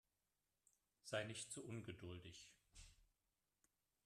Sei nicht so ungeduldig.